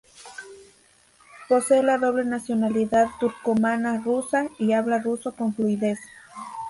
Posee la doble nacionalidad turcomana-rusa y habla ruso con fluidez.